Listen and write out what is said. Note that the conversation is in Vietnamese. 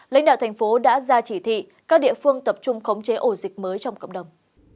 lãnh đạo thành phố đã ra chỉ thị các địa phương tập trung khống chế ổ dịch mới trong cộng đồng